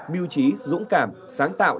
mưu trí dũng cảm sáng tạo